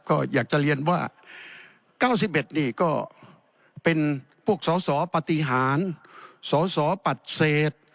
ก็อยากจะเรียนว่า๙๑นี่ก็เป็นพวกสอสอปฏิหารสสปัดเศษ